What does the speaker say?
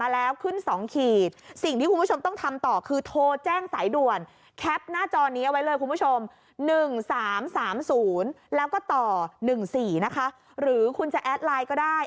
แล้วก็ต่อ๑๔นะคะหรือคุณจะแอดไลน์ก็ได้